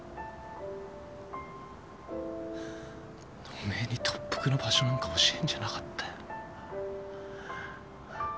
おめえに特服の場所なんか教えんじゃなかったよ。